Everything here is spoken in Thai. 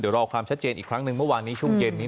เดี๋ยวรอความชัดเจนอีกครั้งหนึ่งเมื่อวานนี้ช่วงเย็นนี้